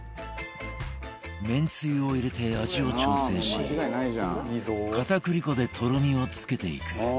めんつゆを入れて味を調整し片栗粉でとろみをつけていく